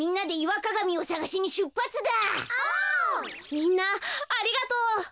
みんなありがとう。